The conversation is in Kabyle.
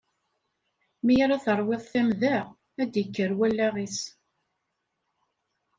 Mi ara terwiḍ tamda, ad d-ikker wallaɣ-is.